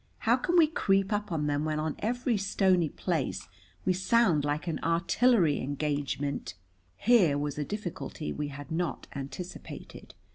"How can we creep up on them when on every stony place we sound like an artillery engagement?" Here was a difficulty we had not anticipated.